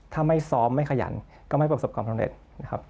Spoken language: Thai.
ถ้าไม่ซ้อมไม่ขยันก็ไม่เป็นประสบความสำเร็จ